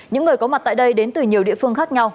những người có mặt tại đây đến từ nhiều địa phương khác nhau